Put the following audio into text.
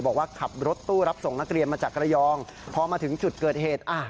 บอกว่าขับรถตู้รับส่งนักเรียนมาจากระยองพอมาถึงจุดเกิดเหตุ